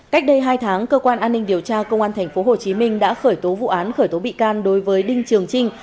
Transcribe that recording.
cách đây hai tháng cơ quan an ninh điều tra công an tp hcm đã khởi tố vụ án khởi tố bị can đối với đinh trường trinh